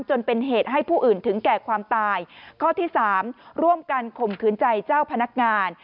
จนเป็นเหตุให้ผู้อื่นถึงแก่ความตายข้อที่สามร่วมกันข่มขืนใจเจ้าพนักงาน